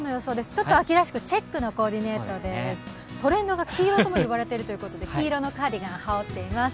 ちょっと秋らしく、チェックのコーディネートでトレンドが黄色とも言われているとのことで黄色のカーディガンを羽織っています。